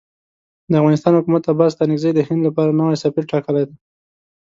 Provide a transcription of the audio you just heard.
د افغانستان حکومت عباس ستانکزی د هند لپاره نوی سفیر ټاکلی دی.